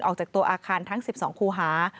ออกจากตัวอาคารทั้ง๑๒คูหา